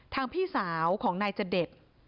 ทางพี่สาวของนายเจด็ด